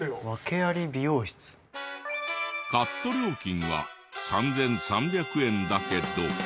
カット料金は３３００円だけど。